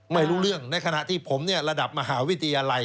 ไม่รู้เรื่องในขณะที่ผมระดับมหาวิทยาลัย